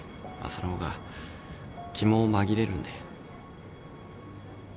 その方が気も紛れるんで。